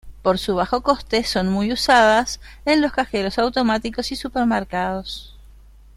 Por su bajo coste, son muy usadas en los cajeros automáticos y supermercados.